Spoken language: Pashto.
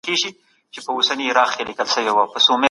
روسیه د افغانستان له خاورې د کومو ترهګرو ګواښونو اندېښنه لري؟